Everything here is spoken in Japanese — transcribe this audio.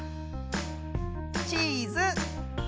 チーズ。